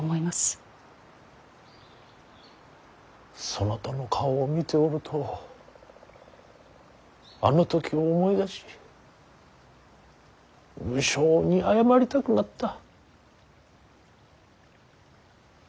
そなたの顔を見ておるとあの時を思い出し無性に謝りたくなった。